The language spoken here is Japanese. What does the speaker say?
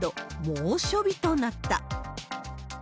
猛暑日となった。